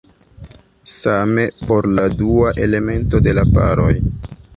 Same por la dua elemento de la paroj.